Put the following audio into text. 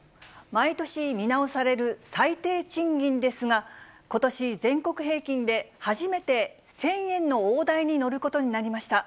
毎年見直される最低賃金ですが、ことし、全国平均で初めて１０００円の大台に乗ることになりました。